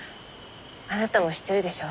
あなたも知ってるでしょう？